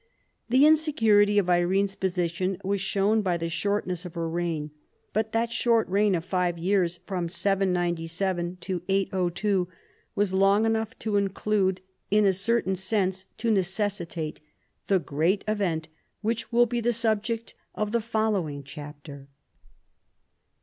The insecurity of Irene's position was shown by the shortness of her reign, but that short reign of five years (797 802) was long enough to include, in a certain sense to necessitate, the gi'cat event which. will be the subject of the following chapter.